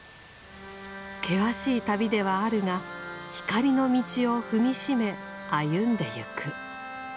険しい旅ではあるが光の道を踏み締め歩んでいく。